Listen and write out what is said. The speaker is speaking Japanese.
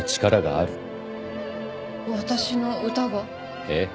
私の歌が？ええ。